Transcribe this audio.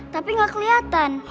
tapi gak kelihatan